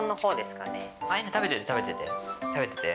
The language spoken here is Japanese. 菜食べてて食べてて。